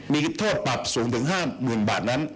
มีโทษปรับสูงถึงห้ามหมื่นบาทนั้น